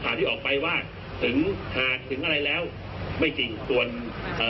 ที่ออกไปว่าถึงหากถึงอะไรแล้วไม่จริงส่วนเอ่อ